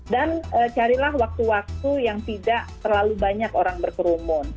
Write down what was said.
dan carilah waktu waktu yang tidak terlalu banyak orang berkerumun